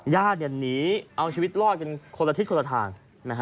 ญาติหนีเอาชีวิตรอดกันคนละทิศคนละทาง